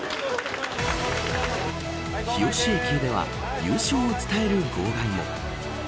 日吉駅では優勝を伝える号外も。